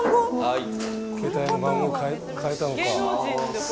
はい。